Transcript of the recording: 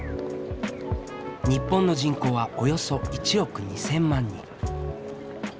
日本の人口はおよそ１億２，０００万人。